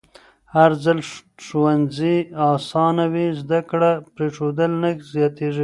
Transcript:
هرځل چې ښوونځي اسانه وي، زده کړه پرېښودل نه زیاتېږي.